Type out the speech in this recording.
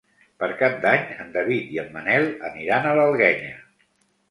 Per Cap d'Any en David i en Manel aniran a l'Alguenya.